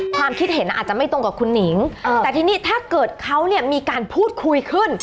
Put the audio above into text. ความคิดเห็นอาจจะไม่ตรงกับคุณหนิงแต่ทีนี้ถ้าเกิดเขาเนี่ยมีการพูดคุยขึ้น